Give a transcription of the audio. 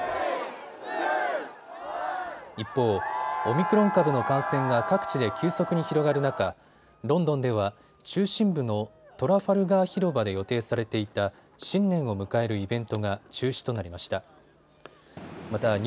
一方、オミクロン株の感染が各地で急速に広がる中、ロンドンでは中心部のトラファルガー広場で予定されていた新年を迎えるイベントが中止となりました。